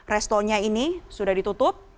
restorannya ini sudah ditutup